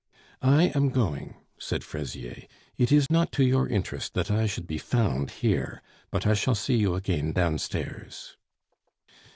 "I am going," said Fraisier; "it is not to your interest that I should be found here; but I shall see you again downstairs."